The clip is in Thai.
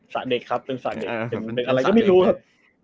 สะเด็กครับเป็นสะเด็กอะไรก็ไม่รู้ครับ